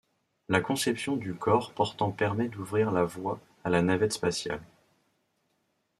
La conception du corps portant permet d'ouvrir la voie à la navette spatiale.